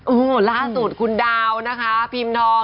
อื้อล่าสุดคุณดาวนะคะพิมท์ทอง